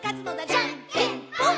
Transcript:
「じゃんけんぽん！！」